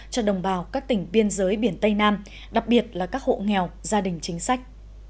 cho đồng bào các tỉnh biên giới biển tây nam đặc biệt là các hộ nghèo gia đình chính sách